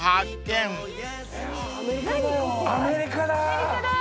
アメリカだー。